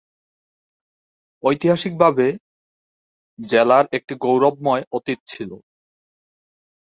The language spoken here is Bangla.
ঐতিহাসিকভাবে, জেলার একটি গৌরবময় অতীত ছিল।